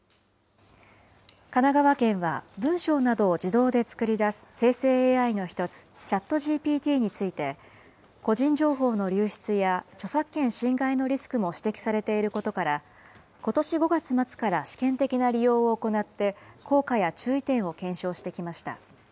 神奈川県は、文章などを自動で作り出す生成ＡＩの１つ、ＣｈａｔＧＰＴについて、個人情報の流出や著作権侵害のリスクも指摘されていることから、ことし５月末から試験的な利用を行って、効果や注意点を検証してきました。